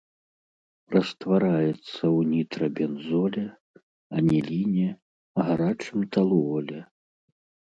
Раствараецца ў нітрабензоле, аніліне, гарачым талуоле.